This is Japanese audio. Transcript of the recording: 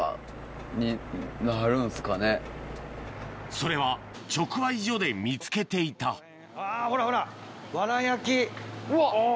それは直売所で見つけていたほらほら。